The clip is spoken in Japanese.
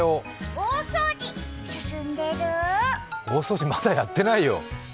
大掃除、まだやってないよ。